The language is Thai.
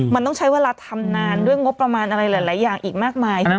มันต้องใช้เวลาทำนานด้วยงบประมาณอะไรหลายอย่างอีกมากมาย